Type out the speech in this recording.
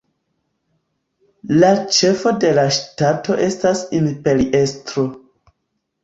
La ĉefo de la ŝtato estas imperiestro.